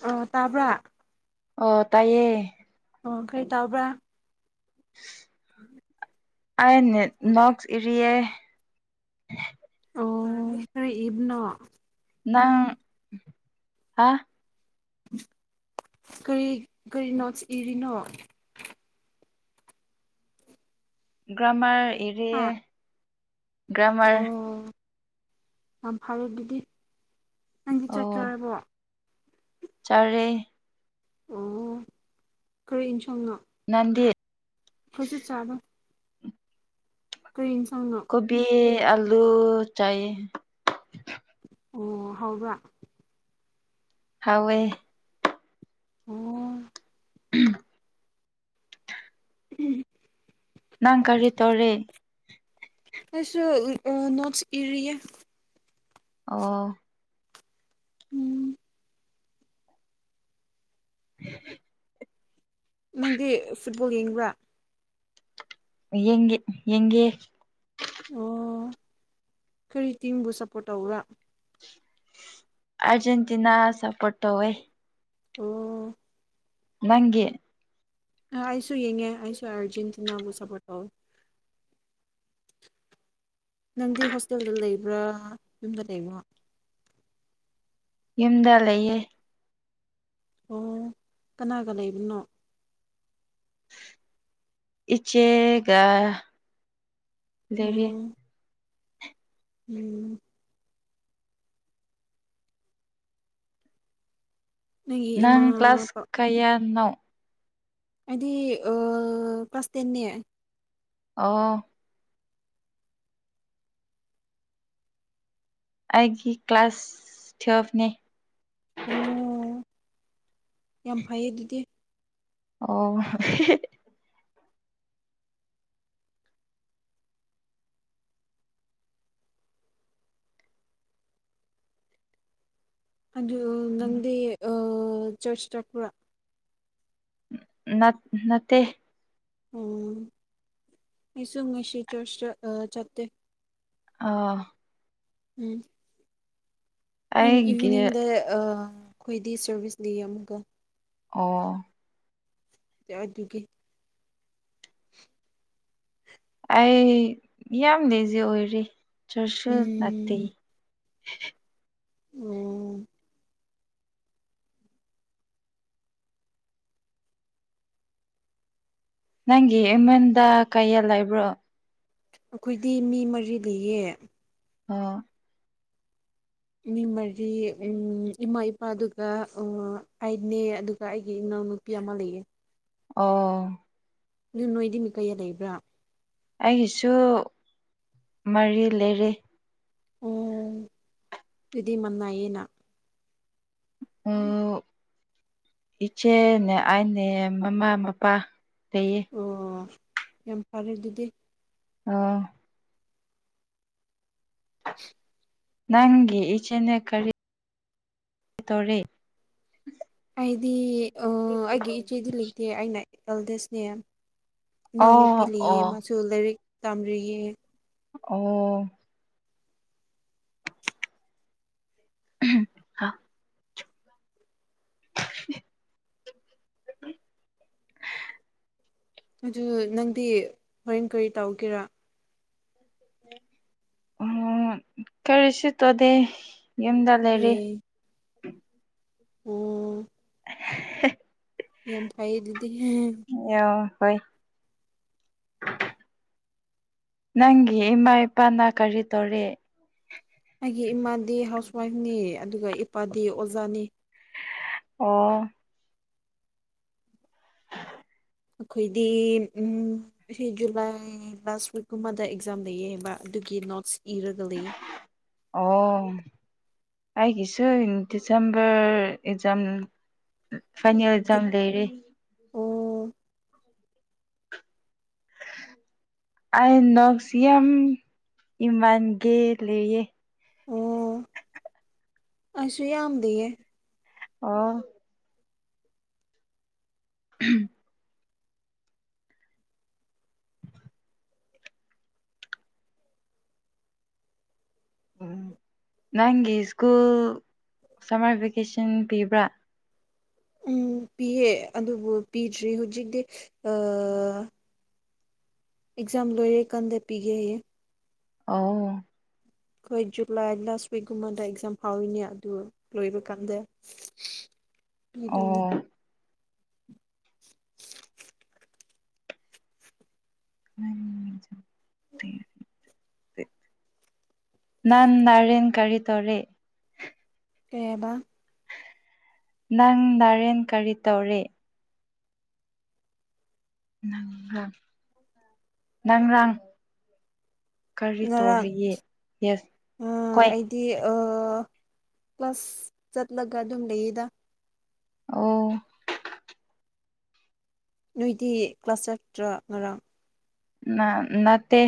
ꯑꯣ ꯇꯥꯕ꯭ꯔꯥ ꯑꯣ ꯇꯥꯏꯌꯦ ꯑꯣ ꯀꯔꯤ ꯇꯥꯕ꯭ꯔꯥ ꯑꯩ ꯅꯦꯠ ꯅꯣꯀꯁ꯭ ꯏꯔꯤꯌꯦ ꯑꯣ ꯀꯩ ꯏꯕꯅꯣ ꯅꯪ ꯍꯥ ꯀꯔꯤ ꯀꯔꯤ ꯅꯣꯠꯁ ꯏꯔꯤꯅꯣ ꯒ꯭ꯔꯃꯔ ꯢꯔꯤꯌꯦ ꯍꯥ ꯒ꯭ꯔꯃꯔ ꯑꯣ ꯌꯥꯝ ꯐꯔꯦ ꯑꯗꯨꯗꯤ ꯅꯪꯗꯤ ꯆꯥꯛ ꯑꯣ ꯆꯥꯔꯕꯣ ꯆꯥꯔꯦ ꯑꯣ ꯀꯔꯤ ꯌꯦꯟꯁꯥꯡꯅꯣ ꯅꯪꯗꯤ ꯑꯩꯈꯣꯏꯁꯨ ꯆꯥꯕ ꯀꯔꯤ ꯌꯦꯟꯁꯥꯡꯅꯣ ꯕꯤ ꯑꯂꯨ ꯆꯥꯏ ꯑꯣ ꯍꯥꯎꯕ꯭ꯔꯥ ꯍꯥꯎꯋꯦ ꯑꯣꯝ ꯎꯝ ꯅꯪ ꯀꯔꯤ ꯇꯣꯔꯦ ꯑꯩꯁꯨ ꯅꯣꯠꯁ ꯏꯔꯤꯌꯦ ꯑꯣ ꯎꯝ [unintelligible] ꯅꯪꯗꯤ ꯐꯨꯠꯕꯣꯜ ꯌꯦꯡꯕ꯭ꯔꯥ ꯌꯦꯒꯦ ꯌꯦꯒꯦ ꯑꯣ ꯀꯔꯤ ꯇꯤꯡꯕꯨ ꯁꯞꯄꯣꯔꯠ ꯇꯧꯕ꯭ꯔꯥ ꯑꯔꯖꯦꯟꯇꯤꯅꯥ ꯁꯄꯣꯔꯠꯇ ꯇꯧꯋꯦ ꯑꯣ ꯅꯪꯒꯤ ꯑꯩꯁꯨ ꯌꯦꯡꯉꯦ ꯑꯩꯁꯨ ꯑꯔꯖꯦꯟꯇꯤꯅꯥ ꯕꯨ ꯁꯄꯣꯔꯠ ꯇꯧꯋꯦ ꯅꯪꯗꯤ ꯍꯣꯁꯇꯦꯜꯗ ꯂꯩꯕ꯭ꯔꯥ ꯌꯨꯝꯗ ꯂꯩꯕ꯭ꯔꯥ ꯌꯨꯝꯗ ꯂꯩꯌꯦ ꯑꯣ ꯀꯅꯥꯒ ꯂꯩꯕꯅꯣ ꯏꯆꯦꯒ ꯂꯩꯔꯤ ꯑꯣ ꯎꯝ ꯅꯪꯒꯤ ꯏꯃꯥ ꯅꯪ ꯀ꯭ꯂꯥꯁ ꯄꯥ ꯀꯌꯥꯅꯣ ꯑꯩꯗꯤ ꯀ꯭ꯂꯥꯁ ꯇꯦꯟꯅꯦ ꯑꯥ ꯑꯩꯒꯤ ꯀ꯭ꯂꯥꯁ ꯇꯨꯋꯦꯜꯐꯅꯦ ꯑꫭ ꯌꯥꯝ ꯐꯩꯌꯦ ꯑꯗꯨꯗꯤ ꯑꯣ ꯑꯗꯨꯗ ꯅꯪꯗꯤ ꯑ ꯆꯔꯆ ꯆꯠꯄ꯭ꯔꯥ ꯅ ꯅꯠꯇꯦ ꯑꯣꯝ ꯑꯩꯁꯨ ꯉꯁꯤ ꯆꯁ ꯆꯠꯇꯦ ꯑꯥ ꯎꯝ ꯍꯣꯏꯅ ꯑꯩꯒꯤ ꯏꯚꯤꯅꯤꯡꯗ ꯑꯩꯈꯣꯏꯗꯤ ꯁꯔꯚꯤꯁꯗꯤ ꯑꯃꯨꯛꯀ ꯑꯣ ꯑꯗꯨꯒꯤ [unintelligible] [inaudible] ꯑꯩ ꯌꯥꯝ ꯂꯦꯖꯤ ꯑꯣꯏꯔꯦ ꯆꯔꯁꯁꯨ ꯂꯥꯛꯇꯦ ꯎꯝ ꯎꯝ ꯅꯪꯒꯤ ꯏꯃꯟꯗ ꯀꯩꯌꯥ ꯂꯩꯕ꯭ꯔꯣ ꯑꯩꯈꯣꯏꯗꯤ ꯃꯤ ꯃꯔꯤ ꯂꯩꯌꯦ ꯑꯣ ꯃꯤ ꯃꯔꯤ ꯎꯝ ꯏꯃꯥ ꯏꯄꯥ ꯑꯗꯨꯒ ꯑ ꯑꯩꯅꯦ ꯑꯗꯨꯒ ꯑꯩꯒꯤ ꯏꯅꯥꯎꯅꯨ ꯄꯤ ꯑꯃꯥ ꯂꯩꯌꯦ ꯑꯣ ꯑꯗꯨ ꯅꯣꯏꯗꯤ ꯃꯤ ꯀꯌꯥ ꯂꯩꯕ꯭ꯔꯥ ꯑꯩꯒꯤꯁꯨ ꯃꯔꯤ ꯂꯩꯔꯦ ꯑꯣ ꯑꯗꯨꯗꯤ ꯃꯟꯅꯩꯌꯦꯅ ꯎ ꯏꯆꯦꯅꯦ ꯑꯥꯏꯅꯦ ꯃꯃꯥ ꯃꯄꯥ ꯂꯩꯌꯦ ꯑꯣ ꯌꯥꯝ ꯐꯔꯦ ꯑꯗꯨꯗꯤ ꯑꯣ [unintelligible] ꯅꯪꯒꯤ ꯏꯆꯦꯅꯦ ꯀꯔꯤ ꯇꯧꯔꯦ ꯑꯩꯗꯤ ꯑ ꯑꯩꯒꯤ ꯏꯆꯦꯗꯤ ꯂꯩꯇꯦ ꯑꯩꯅ ꯑꯦꯜꯗꯦꯁꯅꯦ ꯏꯅꯥꯎꯅꯨꯄꯤ ꯑꯣ ꯂꯩꯌꯦ ꯑꯣ ꯃꯥꯁꯨ ꯂꯥꯏꯔꯤꯛ ꯇꯝꯔꯤꯌꯦ ꯑꯣ ꯑꯥ [unintelligible] ꯑꯗꯨ ꯅꯪꯗꯤ ꯍꯣꯔꯦꯟ ꯀꯔꯤ ꯇꯧꯒꯦꯔꯥ ꯎꯝ ꯀꯔꯤꯁꯨ ꯇꯧꯗꯦ ꯌꯨꯝꯗ ꯂꯩꯔꯤ ꯑꯦ ꯑꯣ [unintelligible] ꯌꯥꯝ ꯐꯩꯌꯦ ꯑꯗꯨꯗꯤ ꯌꯣ ꯍꯣꯏ ꯅꯪꯒꯤ ꯏꯃꯥ ꯏꯄꯥꯅ ꯀꯔꯤ ꯇꯧꯔꯤ ꯑꯩꯒꯤ ꯏꯃꯥꯗꯤ ꯍꯥꯎꯁ ꯋꯥꯏꯐꯅꯤ ꯑꯗꯨꯒ ꯏꯄꯥꯗꯤ ꯑꯣꯖꯥꯅꯤ ꯑꯣ [unintelligible] ꯑꯩꯈꯣꯏꯗꯤ ꯎꯝ ꯁꯤ ꯖꯨꯂꯥꯏ ꯑꯩ ꯂꯥꯁ ꯋꯤꯛꯀꯨꯝꯕꯗ ꯑꯦꯛꯖꯥꯝ ꯂꯩꯌꯦ ꯍꯥꯏꯕ ꯑꯗꯨꯒꯤ ꯅꯣꯠꯁ ꯏꯔꯒ ꯂꯩꯌꯦ ꯑꯣ ꯑꯩꯒꯤꯁꯨ ꯗꯤꯁꯦꯝꯕꯔ ꯑꯦꯛꯖꯥꯝ ꯐꯥꯏꯅꯦꯜ ꯑꯦꯛꯖꯥꯝ ꯂꯩꯔꯦ ꯑꯣ [unintelligible] ꯑꯩ ꯅꯣꯛꯁ ꯌꯥꯝ ꯏꯃꯟꯒꯦ ꯂꯩꯌꯦ ꯑꯣ ꯑꯩꯁꯨ ꯌꯥꯝ ꯂꯩꯌꯦ ꯑꯣ ꯎꯝ ꯎ ꯅꯪꯒꯤ ꯁ꯭ꯀꯨꯜ ꯁꯝꯃꯔ ꯚꯦꯀꯦꯁꯟ ꯄꯤꯕ꯭ꯔꯥ ꯎꯝ ꯄꯤꯌꯦ ꯑꯗꯨꯕꯨ ꯄꯤꯗ꯭ꯔꯤ ꯍꯧꯖꯤꯛꯇꯤ ꯑꯦꯛꯖꯥꯝ ꯂꯣꯏꯔꯦ ꯀꯟꯗ ꯄꯤꯒꯦꯌꯦ ꯑꯣ ꯑꯩꯈꯣꯏ ꯖꯨꯂꯥꯏ ꯂꯥꯁ ꯋꯤꯛꯀꯨꯝꯕꯗ ꯑꯦꯛꯖꯥꯝ ꯐꯥꯎꯔꯤꯅꯦ ꯑꯗꯨ ꯂꯣꯏꯕ ꯀꯥꯟꯗꯦ ꯑꯣ ꯄꯗꯨꯅꯤ [unintelligible] ꯃ [unintelligible] ꯅꯥꯟ ꯅꯔꯦꯟ ꯀꯔꯤ ꯇꯧꯔꯦ ꯀꯩ ꯍꯥꯏꯕ ꯅꯪ ꯅꯔꯦꯟ ꯀꯔꯤ ꯇꯧꯔꯦ ꯅꯪꯡ ꯅꯪꯔꯥꯡ ꯀꯔꯤ ꯉꯔꯥꯡ ꯇꯣꯔꯤꯌꯦ ꯌꯦꯁ ꯍꯣꯏ ꯗꯤꯑꯥ ꯀ꯭ꯂꯥꯁ ꯆꯠꯂꯒ ꯑꯗꯨꯝ ꯂꯩꯌꯦꯗ ꯑꯣ ꯅꯣꯏꯗꯤ ꯀ꯭ꯂꯥꯁ ꯆꯠꯇ꯭ꯔ ꯉꯔꯥꯡ ꯅ ꯅꯠꯇꯦ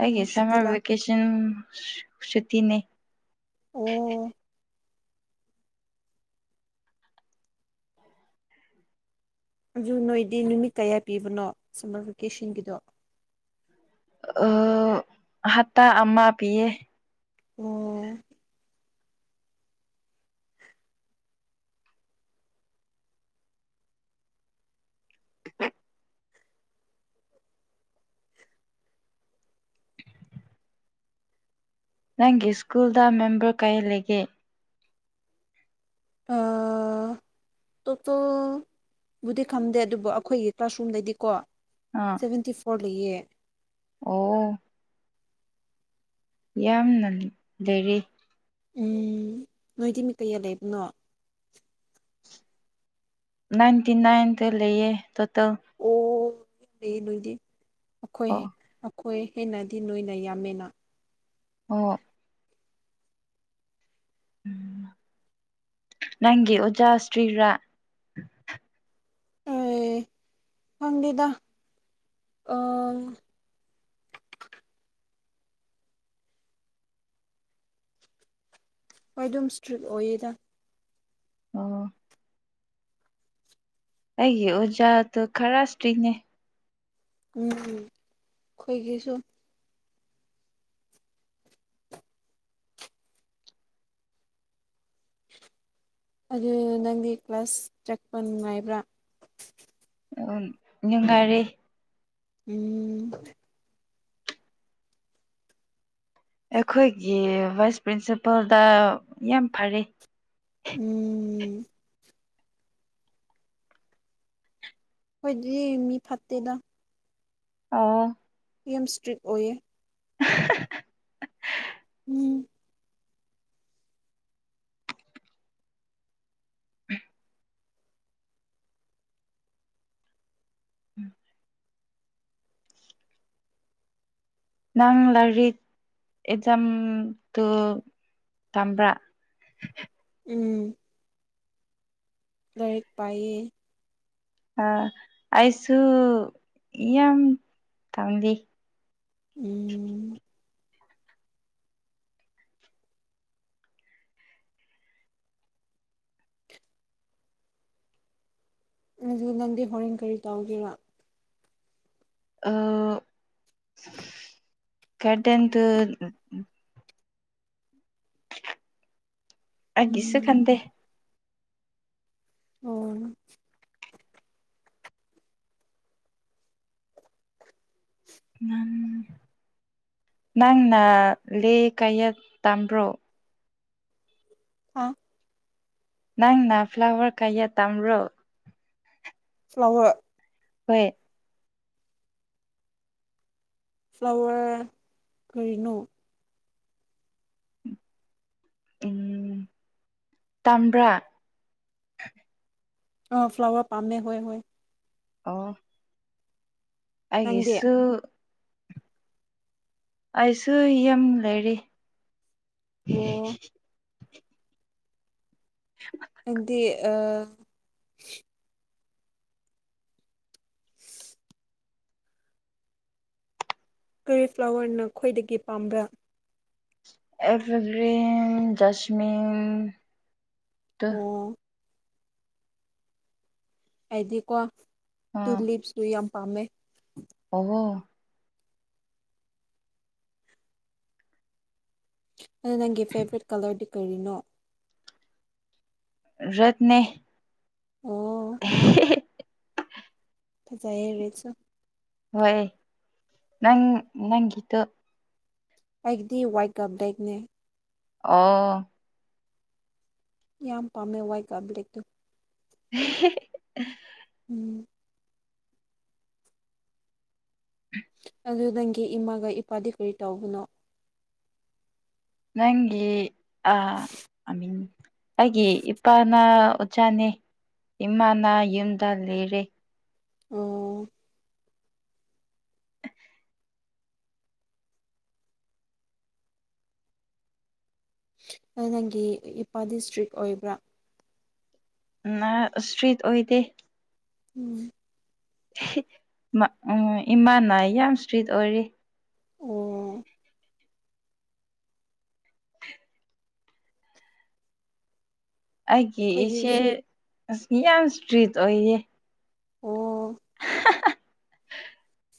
ꯑꯩꯒꯤ ꯎꯝ ꯁꯨꯇꯤ ꯁꯃꯔ ꯂꯥꯛ ꯕꯤꯀꯁꯥꯟ ꯝ ꯁꯨꯇꯤꯅꯦ ꯑꯣ ꯑꯗꯨ ꯅꯣꯏꯗꯤ ꯅꯨꯃꯤꯠ ꯀꯌꯥ ꯄꯤꯕꯅꯣ ꯁꯝꯃꯔ ꯚꯦꯀꯦꯁꯟꯒꯤꯗꯣ ꯑ ꯍꯥꯠꯇ ꯑꯃꯥ ꯄꯤꯌꯦ ꯑꯣ ꯅꯪꯒꯤ ꯁ꯭ꯀꯨꯜꯗ ꯃꯦꯝꯕꯔ ꯀꯌꯥ ꯂꯩꯒꯦ ꯑꯥ ꯇꯣꯞꯇꯣꯕꯨꯗꯤ ꯈꯪꯗꯦ ꯑꯗꯨꯕꯨ ꯑꯩꯈꯣꯏꯒꯤ ꯀ꯭ꯂꯥꯁꯔꯨꯝꯗꯩꯗꯤꯀꯣ ꯑꯥ ꯁꯕꯦꯟꯇꯤ ꯐꯣꯔ ꯂꯩꯌꯦ ꯑꯣ ꯌꯥꯝꯅ ꯂꯩꯔꯤ ꯎꯝ ꯅꯣꯏꯗꯤ ꯃꯤ ꯀꯌꯥ ꯂꯩꯕꯅꯣ ꯅꯥꯏꯟꯇꯤ ꯅꯥꯏꯟ ꯇ ꯂꯩꯌꯦ ꯇꯣꯇꯦꯜ ꯑꯣ ꯂꯩ ꯅꯣꯏꯗꯤ ꯑꯩꯈꯣꯏ ꯑꯣ ꯍꯣꯏ ꯍꯦꯟꯅꯗꯤ ꯅꯣꯏꯅ ꯌꯥꯝꯃꯦꯅ ꯑꯣ ꯎꯝ ꯅꯪꯒꯤ ꯑꯣꯖꯥꯥꯁꯔꯤꯔꯥ ꯑꯦ ꯐꯪꯕꯤꯗ ꯎꯝ ꯍꯣꯏ ꯑꯗꯨꯝ ꯏꯁꯇ꯭ꯔꯤꯛ ꯑꯣꯏꯌꯦꯗ ꯑꯣ ꯑꯩꯒꯤ ꯑꯣꯖꯥꯗꯨꯣ ꯈꯔ ꯏꯇꯤꯛꯅꯦ ꯎꯝ ꯎꯝ ꯑꯩꯈꯣꯏꯒꯤꯁꯨ ꯑꯗꯨ ꯅꯪꯒꯤ ꯀ꯭ꯂꯥꯁ ꯆꯛꯄ ꯉꯥꯏꯕ꯭ꯔꯥ ꯎ ꯅꯨꯡꯉꯥꯏꯔꯦ ꯎꯝ ꯑꯩꯈꯣꯏꯒꯤ ꯚꯥꯏꯁ ꯄ꯭ꯔꯤꯟꯁꯤꯄꯜꯗ ꯌꯥꯝ ꯐꯔꯦ ꯎꯝ ꯍꯣꯏꯗꯤ ꯃꯤ ꯐꯠꯇꯦꯗ ꯑ ꯌꯥꯝ ꯏꯁꯇ꯭ꯔꯤꯛ ꯑꯣꯏꯌꯦ [unintelligible] ꯎꯝ [inaudible] ꯎꯝ ꯅꯪ ꯂꯥꯏꯔꯤꯛ ꯑꯦꯛꯖꯥꯝ ꯇꯨ ꯇꯝꯕ꯭ꯔꯥ ꯎꯝ ꯂꯥꯏꯔꯤꯛ ꯄꯥꯏꯌꯦ ꯑ ꯑꯩꯁꯨ ꯌꯥꯝ ꯇꯝꯂꯤ ꯎꯝ ꯑꯗꯨ ꯅꯪꯗꯤ ꯍꯣꯔꯦꯟ ꯀꯔꯤ ꯇꯧꯒꯦꯔ꯫ ꯑꯥ ꯀꯇꯦꯟꯗꯠ꯫ ꯑꯩꯀꯤꯁꯨ ꯎꯝ ꯈꯟꯗꯦ꯫ ꯑꯣ ꯅꯪꯅ ꯂꯦ ꯀꯌꯥ ꯇꯥꯝꯕ꯭ꯔꯣ ꯍꯥꯥ ꯅꯪꯅ ꯐ꯭ꯂꯥꯋꯔ ꯀꯌꯥ ꯇꯝꯕꯔꯣ ꯐ꯭ꯂꯥꯋꯔ꯫ ꯍꯣꯏ꯫ ꯐ꯭ꯂꯥꯋꯔ ꯀꯔꯤꯅꯣ꯫ ꯎꯝ ꯇꯝꯕ꯭ꯔꯥ꯫ ꯑ ꯐ꯭ꯂꯥꯋꯔ ꯄꯥꯝꯃꯦ ꯍꫭꯏ ꯍꯣꯏ꯫ ꯑꯣ ꯅꯪꯗꯤ ꯑꯩꯒꯤꯁꯨ꯫ ꯑꯩꯁꯨ ꯌꯥꯝ ꯂꯩꯔꯤ꯫ ꯑꯣ꯫ ꯍꯤ ꯑꯗꯤ ꯑꯥ꯫ ꯫ ꯀꯣꯂꯤꯐ꯭ꯂꯥꯋꯔꯅ ꯈ꯭ꯋꫭꯏꯗꯒꯤ ꯄꯥꯝꯕ꯭ꯔꯥ꯫ ꯑꯦꯐꯒꯔꯤꯟ ꯖꯁꯃꯤꯟ꯫ ꯑꯣ ꯑꯩꯗꯤꯀꯣ ꯇꯨꯂꯤꯞ ꯄꯨ ꯌꯥꯝ ꯄꯥꯝꯃꯦ꯫ ꯑꯣꯍꫭ꯫ ꯑꯗꯨ ꯅꯪꯒꯤ ꯐꯦꯕꯣꯔꯥꯠ ꯀꯂꯔꯗꯤ ꯀꯔꯤꯅꯣ꯫ ꯔꯠꯅꯦ꯫ ꯑꯣ꯫ ꯫ ꯐꯖꯥꯌ‌ꯦ ꯔ‌ꯦꯠꯁꯨ꯫ ꯍꯣꯏ ꯅꯪ ꯅꯪꯒꯤꯇꯣ ꯑꯩꯒꯤꯗꯤ ꯋꯥꯏꯠꯀ ꯕ‌ꯦꯛꯅꯦ꯫ ꯑꫭ꯫ ꯌꯥꯝ ꯄꯥꯝꯃꯦ ꯋꯥꯏ ꯀꯥ ꯕ꯭ꯂꯦꯛꯇꯣ꯫ ꯍ꯫ ꯎꯝ꯫ ꯑꯗꯨ ꯅꯪꯒꯤ ꯏꯃꯥꯒ ꯏꯄꯥꯗꯤ ꯀꯔꯤ ꯇꯧꯕꯅꯣ꯫ ꯅꯪꯒꯤ ꯑꯥ ꯑꯃꯤꯡ꯫ ꯑꯩꯒꯤ ꯏꯄꯥꯅ ꯑꯣꯖꯥꯅꯦ ꯏꯃꯥꯅ ꯌꯨꯝꯗ ꯂꯩꯔꯦ꯫ ꯑꯣ꯫ ꯅꯪꯒꯤ ꯏꯄꯥꯗꯤ ꯏꯁꯇ꯭ꯔꯤꯛ ꯑꯣꯏꯕ꯭ꯔꯥ꯫ ꯅ ꯏꯁꯇ꯭ꯔꯤꯠ ꯑꯣꯏꯗꯦ꯫ ꯎꯝ꯫ ꯎꯝ ꯏꯃꯥꯅ ꯌꯥꯝ ꯏꯁꯇ꯭ꯔꯤꯠ ꯑꯣꯏꯔꯦ꯫ ꯑꯣ꯫ ꯑꯩꯒꯤ ꯏꯆꯦ ꯑꯩꯈꯣꯏꯒꯤꯁꯨ ꯑꯁꯤ ꯌꯥꯝ ꯏꯁꯇ꯭ꯔꯤꯠ ꯑꯣꯏꯌꯦ꯫ ꯑꯣ꯫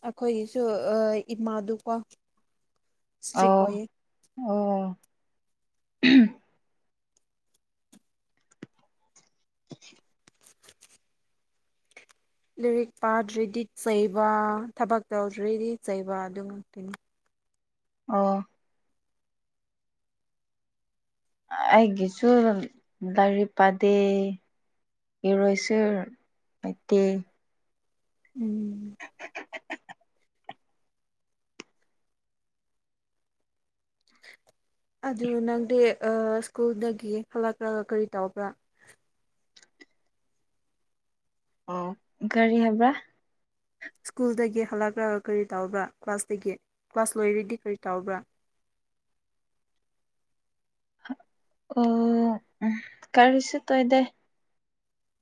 ꯑꯈꯣꯏꯒꯤꯁꯨ ꯑꯥ ꯏꯃꯥꯗꯨꯀꯣ꯫ ꯏꯁꯇ꯭ꯔꯤꯛ ꯑꯣ ꯑꯣꯏꯌꯦ ꯑꯣ꯫ [inaudible] ꯂꯩꯔꯤꯛ ꯄꯥꯗꯔ꯭ꯗꯤ ꯆꯩꯕ ꯊꯕꯛ ꯇꯧꯗꯔ꯭ꯗꯤ ꯆꯩꯕ ꯑꯗꯨ ꯉꯥꯛꯇꯅꯤ ꯑꯣ ꯑꯩꯒꯤꯁꯨ ꯂꯥꯏꯔꯤꯛ ꯄꯥꯗꯦ ꯏꯔꯣꯏꯁꯨ ꯑꯇꯦ [unintelligible] ꯎꯝ ꯑꯗꯨ ꯅꯪꯗꯤ ꯑꯥ ꯁ꯭ꯀꯨꯜꯗꯒꯤ ꯍꯂꯛꯂꯒ ꯀꯔꯤ ꯇꯧꯕ꯭ꯔꯥ꯫ ꯑꯣ ꯀꯥꯔꯤ ꯍꯥꯏꯕ ꯁ꯭ꯀꯨꯜꯗꯒꯤ ꯍꯜꯂꯛꯂꯒ ꯀꯔꯤ ꯇꯧꯕ꯭ꯔꯥ ꯀ꯭ꯂꯥꯁꯇꯒꯤ ꯀ꯭ꯂꯥꯁ ꯂꯣꯏꯔꯗꯤ ꯀꯔꯤ ꯇꯧꯕ꯭ꯔꯥ꯫ ꯑꯥ ꯎꯝ ꯀꯔꯤꯁꯨ ꯇꯧꯗꯦ꯫